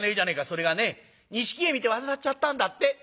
「それがね錦絵見て煩っちゃったんだって」。